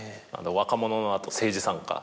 若者のあと政治参加。